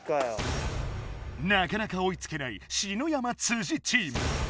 なかなか追いつけない篠山・チーム。